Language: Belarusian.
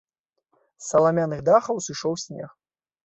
З саламяных дахаў сышоў снег.